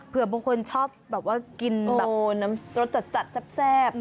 เผื่อบางคนชอบกินน้ำรสจัดแซ่บ